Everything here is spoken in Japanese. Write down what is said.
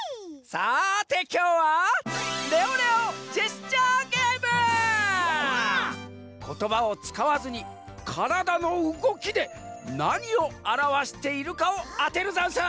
さてきょうはことばをつかわずにからだのうごきでなにをあらわしているかをあてるざんす！